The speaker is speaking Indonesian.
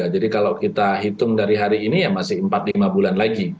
jadi kalau kita hitung dari hari ini ya masih empat lima bulan lagi